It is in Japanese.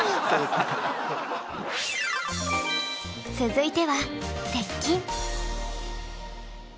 続いては「接近」。